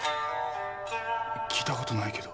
聞いたことないけど。